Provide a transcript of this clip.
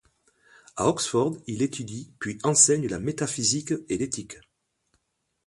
A Oxford, il étudie puis enseigne la métaphysique et l'éthique.